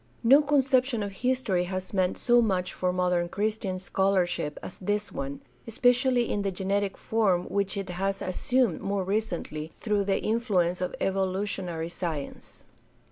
No conception of history has meant so much for modern Christian scholarship as this one, especially in the genetic form which it has assumed more recently through the influ ence of evolutionary science.